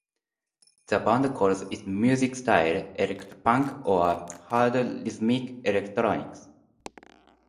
The band calls its music style "electropunk" or "hard rhythmic electronics".